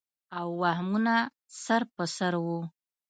او وهمونه سر پر سر وو